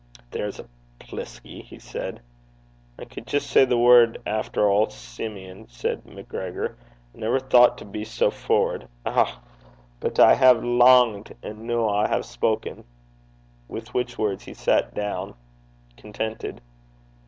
'There's a pliskie!' he said. 'I cud jist say the word efter auld Simeon,' said MacGregor. 'I never thocht to be sae favoured! Eh! but I hae langed, and noo I hae spoken!' with which words he sat down, contented.